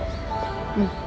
うん。